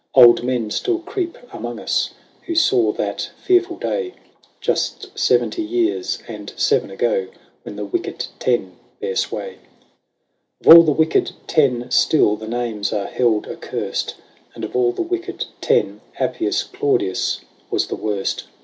Old men still creep among us who saw that fearful day, Just seventy years and seven ago, when the wicked Ten bare sway. Of all the wicked Ten still the names are held accursed, And of all the wicked Ten Appius Claudius was the worst.